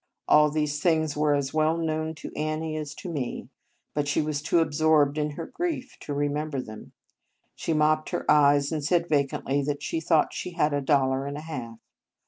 All these things were as well known to Annie as to me, but she was too absorbed in her grief to remember them. She mopped her eyes, and said vacantly that she thought she had a dollar and a half.